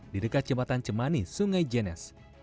di dekat jembatan cemani sungai jenes